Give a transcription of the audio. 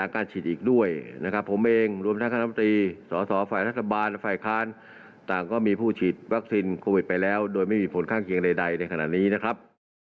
การฉีดวัคซีนโควิดไปแล้วโดยไม่มีผลข้างเคียงใดในขณะนี้นะครับ